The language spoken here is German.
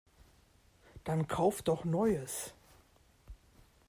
Dann Kauf doch Neues!